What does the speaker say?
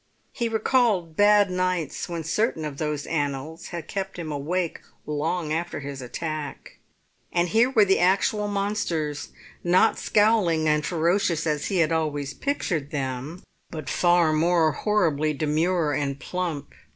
He recalled bad nights when certain of those annals had kept him awake long after his attack; and here were the actual monsters, not scowling and ferocious as he had always pictured them, but far more horribly demure and plump.